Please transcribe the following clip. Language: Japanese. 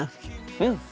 うん！